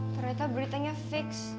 ternyata beritanya fix